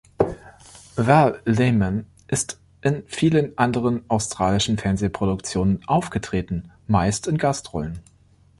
Val Lehman ist in vielen anderen australischen Fernsehproduktionen aufgetreten, meist in Gastrollen.